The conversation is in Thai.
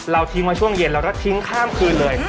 เราทิ้งว่าช่วงเย็นละก็ทิ้งข้ามคืนเลย